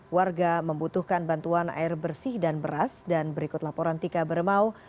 warga membutuhkan bantuan air bersih dan beras dan berikut laporan tika beremau